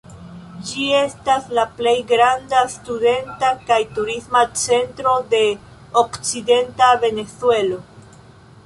Ĝi estas la plej granda studenta kaj turisma centro de okcidenta Venezuelo.